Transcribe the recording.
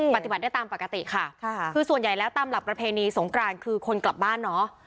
ปฏิบัติได้ตามปกติค่ะคือส่วนใหญ่แล้วตามหลักประเพณีสงกรานคือคนกลับบ้านเนาะ